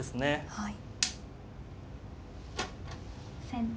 はい。